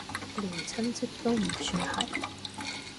連親戚都唔算係